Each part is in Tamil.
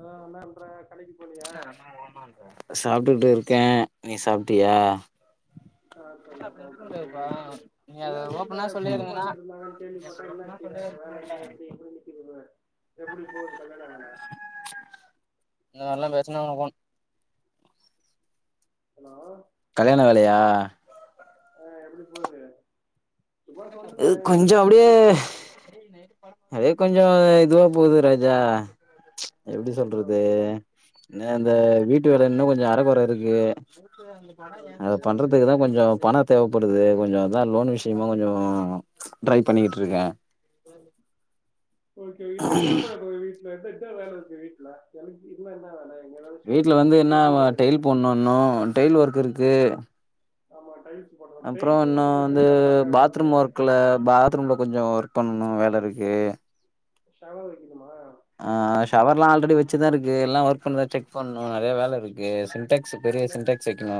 ஆ என்ன பண்ற கடைக்கு போனியா சாப்டுட்டு இருக்கே நீ சாப்டியா [unintelligible] என்ன வீட்ல பொண்ணு பாத்துட்ருந்தாங்கனு கேள்விபட்ட என்னாச்சு வேலலா எப்டி எப்டி நிக்குது என்ன எப்டி போகுது கல்யாண வேல இந்த மாிரல்லா பேசுனா [unintelligible] ஹலோ கல்யாண வேலயா ஆ. எப்டி போது சும்மா சொல்லுனே இது எய கிட்ட கொஞ்சோ தானா சொல்ற அப்டியே பொதுவா சொல்.. அப்டியே கொஞ்சோ இதுவா போகுது ராஜா எப்டி எதுவா சொல்றது போகுது அந்த வீட்டு வேல இன்னு கொஞ்சோ அரகொறயிருக்கு. ஓகே அத பண்றதுக்கு தா கொஞ்சோ பண. தேவப்படுது கொஞ்ச அதா லோன் விஷயமா.. கொஞ்சோ.. ட்ரை பண்ணிட்டுருக்க ஓகே இன்னு என்னா பண்ணுது அந்த வீட்ல இன்னு என்ன வேல இருக்கு வீட்ல எனக்கு இல்ல என்ன வேல எங்க ஏதாச்சு வீட்ல வந்து என்னா இது டையில் போடன்னு இன்னு டையில் ஒர்க் இருக்கு. ஆமா [unintelligible] அப்பற பெயிண்ட்டு இன்னு ஒன்னும் பிரச்சன வந்து. இல்ல பக்காவா பாத்ரூம் இருக்கு ஒர்க்ல. பாத்ரூம்ல கொஞ்ச ஒர்க் பண்ணு. இன்னு வேல இருக்கு ஷவர் வெக்கணுமா ஆ ஷவர்லா ஆல்ரெடி வச்சுதா இருக்கு எல்லா ஒர்க் பண்ணுதான்னு செக் பண்ணணு நெறைய வேலயிருக்கு சின்டக்ஸ் பெரிய மே சின்டக்ஸ் வெக்கணு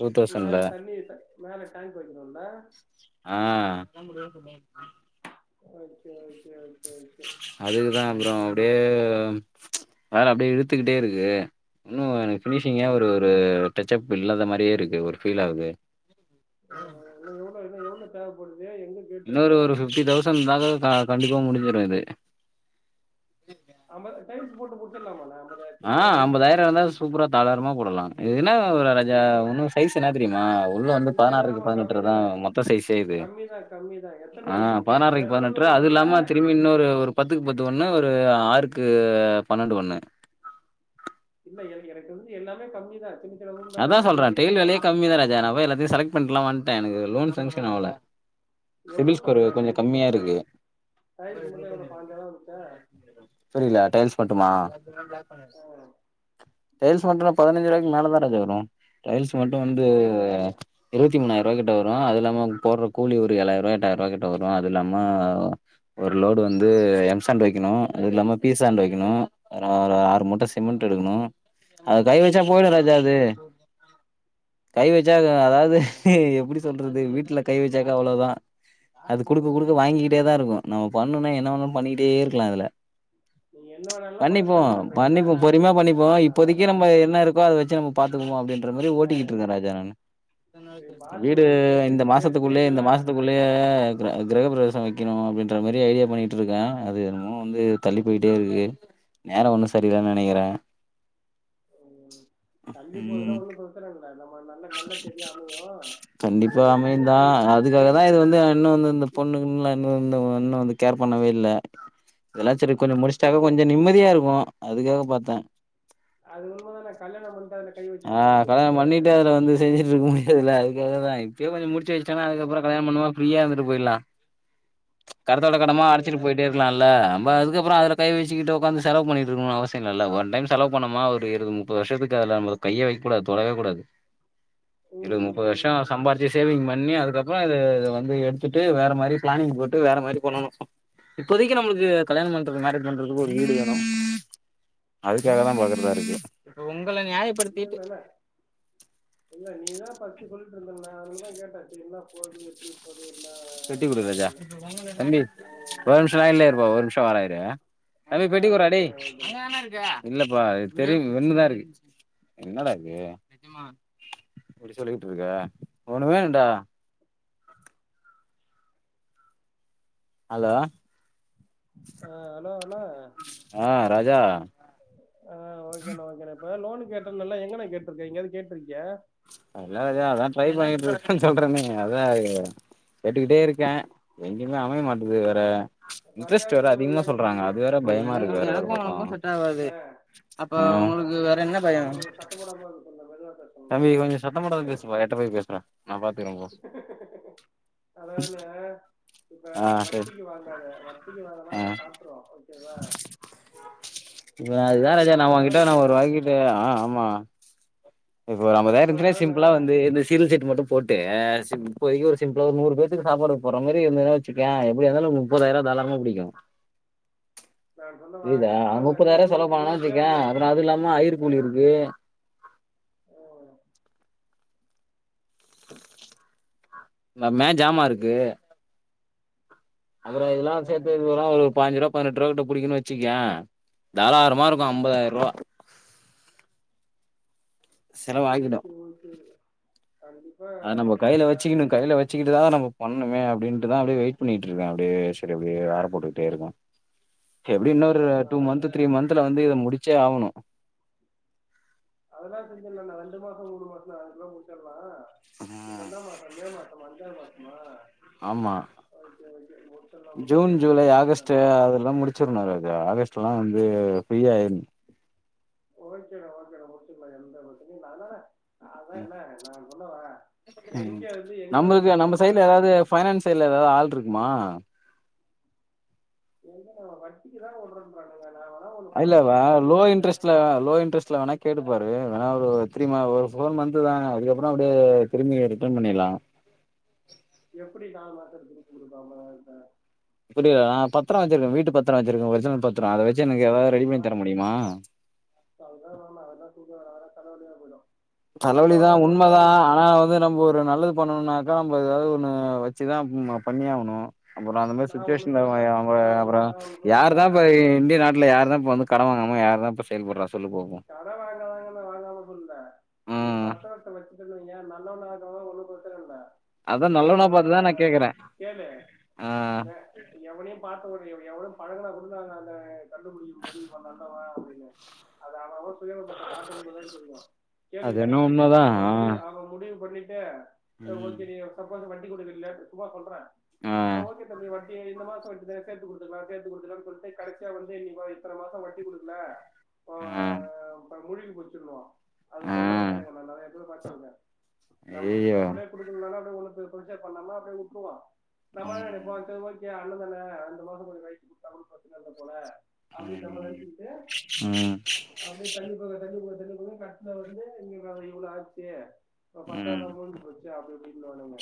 டூ தௌசண்ட்ல மேல தண்ணி த- மேல டேங்க் வைக்கணுல்ல ஆ [unintelligible] அதுக்குதா அப்றோ அப்டியே வேல அப்டியே இழுத்துக்கிட்டே இருக்கு இன்னு எனக் ஓ ஃபினிஷிங்கா ஒரு ஒரு டச்சப் இல்லாத மாரியே இருக்கு ஒரு ஃபீல் ஆகுது ஆ, உம் இன்னும் எவ்வளோ இன்னும் எவ்வளோ தேவைப்படுது எங்கே இன்னொரு கேட்டிருக்கேன் ஒரு ஃபிஃப்டி தௌசண் இருந்தாகா கண்டிப்பா முடிஞ்சிரு இது ஆம டைல்ஸ் போட்டு முடிச்சிடுலாமான்ன ஆ அம்பதாயிரோ இருந்தா சூப்பரா தாளாரமா போடலா இது என்னா வரு இப்போ ராஜா நீ ஒன்னு சைஸ் என்னா தெரியுமா உள்ள வந்து இல்லை இல்லை பதினாறுக்கு ஆமாம் கம்மி பதினெட்டுருதா தானே மொத்த சைஸே இது கம்மி தான் கம்மி தான் எத்தனை ஆ ரூம் பதுனாறைக் ரெண்டு பதுனெட்ர ரூமுக்கு அது போடுறியா இல்லாம திரும்பி இன்னொரு ஒரு பத்துக்கு பத் து ஒண்ணு ஒரு ஆறுக்கு பனனெண்டு ஒண்ணு இல்ல என எனக்கு வந்து எல்லாமே கம்மிதா அதா சொல்றே டெயிலி வேலையே கம்மிதா ராஜா நம்ப போய் எல்லாத்தையு செலக்ட் பண்ட்லா வந்துட்டே எனக்கு லோன் சேங்க்ஷன் அவல எவ்வளோ சிபில் ஸ்கோர் சொன்னாங்க கொஞ்ச டைல்ஸ் கம்மியா மட்டும் இருக்கு டைல்ஸ் மட்டும் எவ்வளோ பாஞ்சாதான் வந்துச்சா புரியல டைல்ஸ் மட்டுமா டைல்ஸ் மட்டுனா பதினஞ்சு ரூபாய்க்கு மேலதா வரு ரைஸ் மட்டு வந்து அவ்வளோதான் இருவத்தி மூணாயிரூபா கிட்ட வரு அது இல்லாம போட்ற கூலி ஒரு ஏழாய்ரூபா எட்டாய்ரூபா கிட்ட வரு அது இல்லாம ஒரு லோடு வந்து எம் சாண்ட் வைக்கணு அது இல்லாம பீ சாண்ட் வைக்கணு ஆறு மூட்ட சிமெண்ட் எடுக்கணு அது கை வச்சா போயிடு ராஜா கை வச்சா அத அதாவது எப்டி சொல் றது வீட்டுல கை வச்சாக்கா அவ்வளதா அது குடுக்க குடுக்க வாங்கிக்கிட்டே தா இருக்கு நம்ம பண்ணும்னா என்ன வேணா பண்ணிகிட்டே இருக்கலா அதுல நீ என்ன வேணாலும் பண்ண பண்ணிப்போ தேவையில்லை இப்போ எல்லாம் பண்ணிப்போ பொறுமயா பண்ணிப்போ அதான் இப்போதைக்கி நம்ம என்னா இருக்கோ அத வச்சு நம்ம பாத்துக்குமா அப்டின்ற மாரி நான் ஓட்டிகிட்ருக்கே ராஜா நானு வீடு பாத்ரூமு சேர்த்து இந்த சேர்த்து மாசத்துக்குள்ளயே இந்த கிள மாசத்துக்குள்ளயே கிர கிரகபிரவே வைக்கணு அப்டின்ற மாரி ஐடியா பண்ணிட்ருக்கே அது என்னமோ வந்து தள்ளி போயிட்டேருக்கு நேர ஒன்னு சரியில்லனு நெனைக்கிறே ம் தள்ளி போகுதுன்னா ம் ஒன்னும் பிரச்சன இல்ல நம்ம நல்ல நல்ல செடியா அமையு நீ கண்டிப்பா எனக்கு தெரிஞ்சு அமையுந்தா டை அதுக்காக தா டைல்ஸு இது வந்து இன்னு வந்து இந்த பொண்ணு னு ஒன்னு வந்து கேர் பண்ணவே இல்ல இதெல்லா சரி கொஞ்ச முடிச்சிட்டாக்க இல்லையே கொஞ்ச நிம்மதியா இருக்கு அதுக்காக பாத்த அது உணமதான கல்யாண பண் ஆ கல்யாணம் பண்ணிட்டு அதுல வந்து செஞ்சுட்ருக்க முடியாதுல்லல அதுக்காகதா இப்பயே கொஞ்ச முடி ச்சுவச்சுட்டனா ஆ அதுக்கப்புற கல்யாணம் பண்ணமா பிரீயா இருந்துட்டு போயிடலா கடத்தோட கடமா ஓகே அடைச்சிட்டு ஓகே போயிட்டே இருக்கலால்ல நம்ம அதுக்கப்புற அதுல கைவச்சுகிட்டு ஒக்காந்து செலவு பண்ணிட்டுக்க இருக்கனும்ற அவசிய இல்லல ஒன் டைம் செலவு பண்ணமா ஒரு இருவது முப்பது வருஷத்துக்கு அதுல கையே வைக்க கூடாது தொடவே கூடாது ம் இருபது ம் முப்பது வருஷம் ம் ம் சம்பாரிச்சு சேவிங் பண்ணி அதுக்கப்புற இது இத வந்து எடுத் துட்டு வேற மாரி பிளானிங் போட்டு வேற மாரி பண்ணனு இப்போதைக்கு நம்மளுக்கு கல்யாணம் பண்றது மேரேஜ் பண்றதுக்கு ஒரு வீடு வேணு அதுக்காக தா பாக்குறதாருக்கு இப்ப ஒங்கள நியாய இல்ல இல்லல்ல இல்ல நீதா ப [unintelligible] சொல்லிட்ருந்தண்ண அந்த மாரி கேட்டே [inaudible] என்ன போது எப்டி போது என்ன ஒரு ஏதுன்னு ம் நிம்ஷோ லைன்லே இருப்பா ஒரு நிம்ஷோ வர இரு தம்பி ஆ பெட்டிக்குரா டே ஓகேண்ணா ஓகேண்ணா அங்கதான இருக்கு இல்லப்பா தெரியும் ஒன்னுதான் இருக்கு என்னடா இது இப்படி சொல்லிக்கிட்டு இருக்க ஒண்ணுமேடா அலோ அ அலோ அண்ணா ராஜா ஆ ஓகேண்ணா ஓகேண்ணா இப்ப லோனு கேட்ருந்தல்ல எங்கண்ணா கேட்ருக்கே எங்யாவ்து கேட்ருக்கியா இல்ல ராஜா அதா ட்ரை பண்ணிட்டு இருக்கேன்னு சொல்றேனே அதா கேட்டுக்கிட்டே இருக்கே எங் கயு அமைய மாட்டிக்து இதுல வேற ப- இன்ட்ரெஸ்ட் வேற பஜாஜ்ல ஒரு அதிகமா ஏகப்பட்ட சொல்றாங்க அது வேற பயமா இருக்கு [inaudible] அண்ணே அதாண்ண அவன கொஞ்சோ அவன கொஞ்சோ சத்தம் போடாம இருக்க சொல்லுண்ண மெதுவா பே தம்பி கொஞ்சம் சத்தம் போடாம பேசுப்ப எட்ட போய் பேசுங்க நான் பாத்துக்குறேன் போ அதாவ்துண்ண இப்ப ஆ சரி வட்டிக்கு வாங்காத வட்டிக்கு வாங்னன்னா ஆ சாப்ட்ருவோ ஓகேவா இப்ப அது தா ஐம்ப நீ ராஜா நா உங்கிட்ட நா ஐம்பதாயிரம்ன்றியா ஒரு வாங்கிட்டு ஆ ஆமா இப்ப ஒரு அதனால அம்பதாய்ரோ இர்ந்ச்சுன்னா ஐம்பதாயிரம்னா சிம்பிளா வந்து இந்த சீரியல் செட் மட்டு போட் டு சிம்ப் இப்போதைக்கு ஒரு சிம்பிளா ஒரு நூறு பேத்துக்கு சாப்பாடு போட்ற மாரி இருந்துதுனா வெச்சுக்க எப்டியா இருந்தாலு ஒரு முப்பதாய்ருவா தாராள மா புடிக்கு நான் சொன்னவா நீ புரிதா பால் காய்ச்சல முப்பதாய்ருவா நூறு செலவு பண்ணனா நூறு வெச்சுக்க பேர் இல்ல அப்பறோ அது இல்லாம ஐயரு கூலியு இருக்கு ஆஹ் [unintelligible] [unintelligible] மே ஜாமா இருக்கு அப்பறோ இதெல்லா சேத்து ஆஹ் [unintelligible] ஒரு பாஞ்சுருவா, பதினெட்ருவா கிட்ட புடிக்குன் வெச்சுக்யே தாராரமா இருக்கு ஆஹ் அம்பதாய்ருவா ஓகே செலவாகிடும் ஓகே கண்டிப் அத நம்ம கைல வெச்சிக்கினு கைல வெச்சிக்கிட்டுதா நம்ம பண்ணுமே அப்டின்ட்டுதா அப்டியே வெயிட் பண்ணிட்ருக் கே அப்டியே செரி அப்டியே ஆற போட்டுக்கிட்டே இருக்கே எப்டி இன்னு ஒரு டூ மந்த்து த்ரீ மந்த்துல வந்து இத முடிச்சே ஆவனு அண்ண அதுக்குள்ள முடிச்சர்லா இப்ப என்ன மாசோ, மே மாசமா அஞ்சாவ்து மாசமா ஆமா ஓகே ஓகே முடிச்சிடலாம் ஜூன், முடிச்சிடலாம் ஜூலை, ஒன்றும் பிரச்சனை ஆகஸ்ட்டு இல்லை அதெல்லா முடிச்சர்னு ராஜா ஆகஸ்ட் எல்லா வந் து ஃப்ரீயா இர்ந் ஓகேண்ணா ஓகேண்ணா முடிச்சிர்லா எந்த பிரச்சனயு இல்ல ஆனா அதா ம் என்ன நா சொல்ல வர ம் நம்மள்க்கு நம்ம சைட்ல எதாவ்து ஃபைனான்ஸ் சைட்ல எதா ஆள்ருக்மா எங்கண்ணா வட்டிக்குதாண்ண உட்றேன்றானுங்க இல்லவா லோ இன்ட்ரெஸ்ட்ல லோ இன்ட்ரெஸ்ட்ல வேணா கேட்டு பாரு வேணா ஒரு த்ரீ ம ஒரு ஃபோர் மன்த்து தான அதுக்கப்பறோ அப்டியே திரும்பி ரிட்டர்ன் பண்ணிர்லா [unintelligible] எப்டி நால் மாசத்துல திருப்பி குடுப்ப அம்பதாயிரத்த [unintelligible] நா பத்தரோ வெச்சிருக்கே வீட்டு பத்தரோ வச்சிருக்கே ஒரிஜினல் பத்தரோ அத வெச் சு எனக்கு எதாத் ரெடி பண்ணி தர முடியுமா அதெல்லா வேணா வேற எதா [unintelligible] வர வர தலவலியா போயிடு தலவலிதா உண்ம தா ஆனா வந்து நம்ம ஒரு நல்லது பண்ணனுனாக்கா நம்ம எதாவது ஒன்னு வெச்சு தா ம் அ பண்ணியாவனு அப்பறோ அந்த மாரி நான் ஒண்ணு சுச்சுவேஷன்ல சொல்லிட்டேன் நான் [unintelligible] அப்பறோ ஒண்ணு நான் ஒண்ணு யாரு தா சொல்லிட்டேன் அப்ப இ இண்டிய நாட்ல யாரு தா இப்ப வந்து கட வாங்காம யாரு தா இப்ப செயல்பட்றா சொல்லுபோ கட வாங்கறாங்கன்னா வாங்க வேணா சொல்ல நீ ம் பத்தரத்த வெச்சுக்கினு நீ ஏ நல்லவனா இருக்கறவல்லா ஒரு ஊருக்கு ஒருத்தரு இல்ல அதா நல்லவனா பாத்து தா நா கேக்கறே கேளு ஆ எவ்வளோ பழகுன குள்ள அந்த அந்த கண்டுபுடிக்க முடியாது இவ நல்லவ அப்டின்னு அது அவ அவ உபயோகப்பட்ட [unintelligible] அது கேளுங்க என்னவோ உண்மதா அவ ஆ முடி அவ முடிவு பண்ணிட்டு அ ம் ஓகேடி சம்போஸ் நீ வண்டி குடுக்க லேட் சும்மா சொல்றே ஆ ஓகே தம்பி வண் டி இந்த மாசோ எடுத்துகிறே சேத்து குடுத்துகலா சேத்து குடுத்துகலானு சொல்ட்டு கடசியா வந்து நீ வ இத்தன மாசோ வட்டி குடுக்கல ஆ இப்ப முழுகி போச்சுன்றுவோ அது ஆ [unintelligible] நா நெறைய பேர பாத்துருக்கே நம்ம ஐயையோ நம்மளே குடுக்கணுனாலு அப்டியே ஒன்னு பி [unintelligible] பண்ணாம அப்டியே வுட்றுவோ நம்ம என்ன ம் நெனைப்போ சரி ஓகே அண்ணந்தான அடுத்தமாசோ கொஞ்சோ [unintelligible] குடுத்தா கூட ப்ரச்சன இல்ல போல அப்டின்ற மாரி ம் நெனச்சுகிட்டு ம் அப்டியே தள்ளி போக தள்ளி இவுங்க ரெண்டு பேரு கட்னது வந்து இவ்ளோ இவ்ளோ ஆச்சு ம் [unintelligible] முடுஞ்சு போச்சு அப்டிஇப்டினு ன்வாணுங்க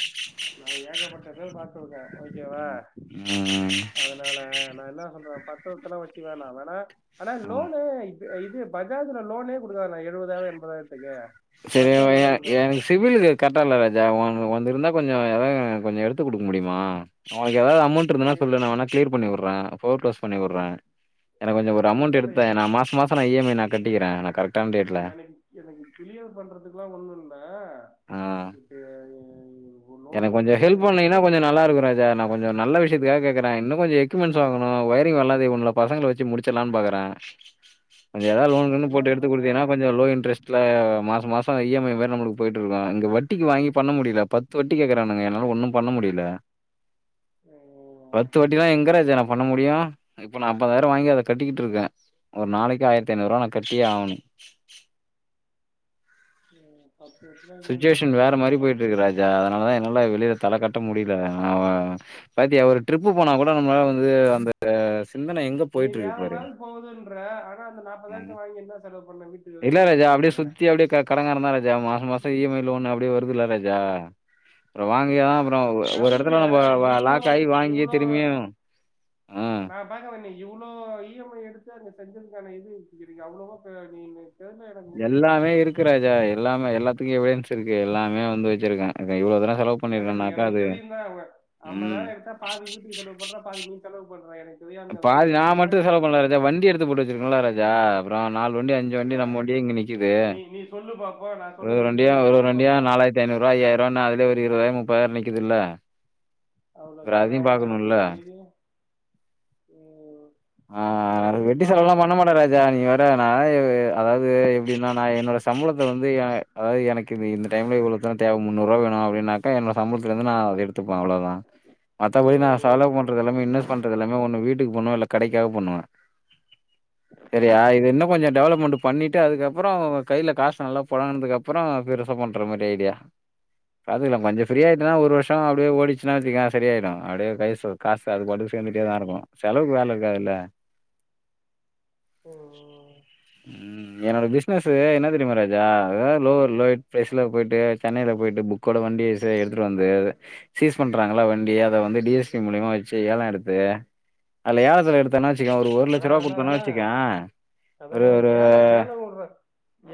நா ஏகப்பட்ட பேர் பாத்துறுக்கே ஓகேவா ம் ம் அதுனால நா என்னா சொல்றே பத்தரத்தலா வச்சுக்க வேணா வேணா ஆனா ம் லோனு இது பஜாஜ்ல லோனே குடுக்க வேனா எழுவதாயிரோ எம்பதாயி சரி எ எனக்கு சிபிலிது கட்டல ராஜா ஒன்து ஒன்திருந்தா கொஞ்சோ [unintelligible] கொஞ்சோ எடுத்து குடுக்க முடிமா எதாவது அமௌண்ட் இருந்ததுன்னா சொல்லு நா வேனா க்ளியர் பண்ணி விற்றே ஃபோர் ப்ளஸ் பண்ணி விற்றே எனக்கு கொஞ்சோ ஒரு அமௌண்ட் என்னன்னு எடுத்தாயே நா எனக்கு மாச மாச நா இ எம் ஐ நா கட்டிகிறே நா கரக்டான டேட்ல [unintelligible] பண்றதுக்குலா ஒண்ணு இல்ல ஆ இப்ப எ எனக்கு கொஞ்சோ ஹெல்ப் பண்ணீகன்ன கொஞ்சோ நல்லா இருக்கு ராஜா நா கொஞ்சோ நல்ல விஷயத்துக்காக கேக்குறே இன்னு கொஞ்சோ எக்யூப்மண்ட்ஸ் வாங்கணு வயரிங் வேல [unintelligible] பசங்கள வச்சு முடுச்சற்லானு பாக்குறே கொஞ்சோ எதாது லோன் ஐ கீன் எந்த போட்டு எடுத்து பசங்கண்ணே குடுத்தீகன்னா கொஞ்சோ லோ இன்ட்ரஸ்ட்ல மாச மாச இ எம் ஐ மாரி நம்மளுக்கு போய்ட்டு இருக்கு இங்க வட்டி வாங்கி பண்ண முடில பத் பத்து வட்டி கேக்குறானுங்க என்னால ஒன்னு பண்ண முடில ம் பத்து வட்டினா எங்க ராஜா நா பண்ண முடியு இப்ப [unintelligible] வாங்கி அத கட்டிக்கிட்ருக்கே ஒரு நாளைக்கி ஆயரத்தி ஐநூறு ருவா நா கட்டியே ஆகணு [unintelligible] ம் பத்து வருஷமா இஎம்ஐ சுச்சுவேஷன் கட்டுறது வேற ஒண்ணுமே மாரி பண்ண போய்ட்டு இருக்கு முடியாது ராஜா அதுனாலதா என்னால வெளில தல காட்ட முடில நா பாத்தியா ஒரு ட்ரிப்பு போனா கூட நம்மளால வந்து அந்த சிந்தனை எங்க நீ போய்ட்டு இருக்கு வேற பாரு மாதிரி போகுதுன்ற ஆனா அந்த நாற்பதாயிரத்தை வாங்கி என்ன செலவு பண்ண வீட்டுக்கு இல்ல செலவு ராஜா அப்டியே பண்ணிய சுத்தி அப்டியே க கடங்காறந்தா ராஜா மாச மாச இ எம் ஐ லோன் அப்டியே வருதுல்ல ராஜா அப்பறோ வாங்குயா அப்பறோ ஒ ஒரு எடத்துல வருதுண்ணே நம்ம லாக் ஆயி வாங்கியே திரும்பியு ஆ பா பாக்க வன்னி இவ்ளோ இ எம் ஐ எடுத்து அங்க செஞ்சிருந்தேனு வை இது [unintelligible] அவ்ளோவா ப நீ தெரிஞ்ச எனக்கு எல்லாமே இருக்கு ராஜா எல்லாமே எல்லாத்துக்கு எவிடன்ன்ஸ் இருக்கு எல்லாமே வந்து வச்சிருக்கே இவ்ளோ தூரோ செலவு எனக்கு பண்ணிருக்கேனாக்கா எனக்கு தெரியுந்தா அவுங்க ம் ஐம்பதாயிரோ எடுத்தா பாதி வீட்டுக்கு செலவு பண்ற பாதி நீ செலவு பண் பாதி நா மட்டு செலவு பண்ணல ராஜா வண்டி எடுத்து போட்டு வச்சுருக்கேன்ல ராஜா அப்பறோ நாலு வண்டி அஞ்சு வண்டி என்ன நம்ம வண்டி இங்க நிக்கிது நீ நீ சொல்லு பாப்போம் நான் ஒரொரு சொன்னது வண்டியா இல்லைன்னு நீ ஒரொரு சொல்லு வண்டியா பாப்போம் நாலாயிரத்தி ஐநூறுவா ஐய்யாயிருவானு அதுலயே ஒரு இருவதாயிரோ மு முப்பதாயிரோ நிக்கிதில்ல அவ்ளோதா அது அவ்ளோதா நிக்கிது மீதி ம், ஆ சரி அட விடு வெட்டி செலவல்லா பாப்போம் பண்ண மாட்டே ராஜா நீ வேற நா [unintelligible] அதாவது எப்டினா நா என்னோட சம்பளத்த வந்து எ அதாவது எனக்கு இந்த டைம்ல இவ்ளோ தேவ முன்னூறுவா வேனு அப்டினாக்க என்னோட சம்பளத்துல இருந்து நா அத எடுத்துப்பே அவ்ளதா மத்தபடி நா ம், செலவு ம், பண்றது எல்லாமே இன்வஸ் பண்றது எல்லாமே ஒன்னு வீட் வீட்டுக்கு பண்ணுவே இல்ல கடைக்காகவது பண்ணுவே சரியா இது என்ன கொஞ்சோ டெவலப்மண்ட் பண்ணிட்டு அதுக்கப்பறோ கையில காசு நல்லா பொழங்குனதுக்கு அப்பறோ பெருசா பண்ற மாரி ஐடியா அது இல்லாம கொஞ்சோ ஃப்ரியாய்டனா ஒரு வர்ஷோ அப்டியே ஓடுச்சுனா வச்சுக்கயே சரியாய்டு அப்டியே கைசு காசு அதுபாட்டுக்கு வந்துட்டே தா இருக்கு செலவுக்கு வேல இருக்காதுல்ல ஓ ஹோ [unintelligible] ம் என்னோட பிஸ்னஸு என்ன தெரியுமா ராஜா எதாவது லோவர் லோயட் ப்ளேஸ்ல போய்ட்டு சென்னைல போய்ட்டு புக்கோட வண்டி ச எடுத்துட்டு வந்து சீஸ் பண்றாங்கள்ள வண்டிய அத வந்து டி எஸ் பி மூலியமா வச்சு ஏல எடு து அதுல ஏலத்துல எடுத்தானே வச்சுகவே ஒரு லட்சம் ரூபவ குடுத்தானே வச்சுக்க அத அண்ணா ஏல ஏல விடுற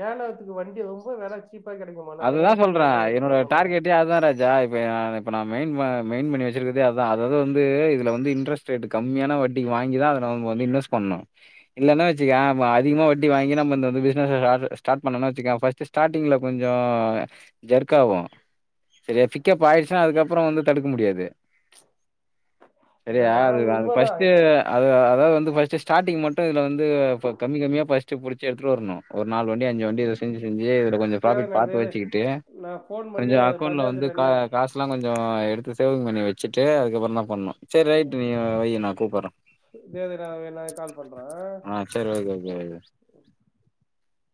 ஏலத்துக்கு வண்டி ரொம்ப வேலை சீப்பா கே அதுதா சொல்ற என்னோட டார்கெட்டே அதுதா ராஜா இப்ப இப்ப நா மெயின்ப மெயின் பண்ணி வச்சுருக்கிறதே அத அதாவது வந்து இதுல வந்து இன்ட்ரெஸ்ட் ரேட் கம்மியான வட்டிக்கு வாங்கி தா அத நாம வந்து இன்வெஸ்ட் பண்ணு இல்லனா வச்சுக்கயா இப்போ அதிகமா வட்டி வாங்கி நாம இந்த இந்த பிசினஸ்ஸ ஸ்டார் ஸ்டார்ட் பண்ண வச்சக்க ஃபர்ஸ்ட் ஸ்டாரிங்ல கொஞ்ச ஜெர்க்க ஆவு சரிய பிக்காப் அயிடுச்சுன்னா அதுக்கப்புற வந்து தடுக்க முடியாது இல்ல சரியா இல்ல ஆனா அது அது உண்மைதான் ஃபர்ஸ்ட் அது அதாவது வந்து ஃபர்ஸ்ட் ஸ்டார்டிங் மட்டு [unintelligible] இதல வந்து [unintelligible] கம் கமிய ஃபர்ஸ்ட் புடிச்ச எடுத்துட்டு வரணு ஒரு நாலுண்டி அஞ்சுண்டி ம். இதுல செஞ்சி செஞ்சியே இதுல கொஞ்ச சரி ப்ராஃபிட் பாத்து நேரத்தையாவது வச்சுக்கிட்டு நான் ஃபோன் கொஞ்ச பண்ணி அது அக்கவுண்ட்ல வந்து பஜாஜ்ல என்ன கா காசுலா கொஞ்ச எடுத்து சேவிங் பண்ணி வச்சு வச்சிட்டு அதுக்கப்புற தா பண்ணணு சேரி ரைட் ம் நீ வையு நா கூப்பிடடுற [unintelligible] கால் பண்ற ஆ சேரி ஓகே ஓகே [unintelligible]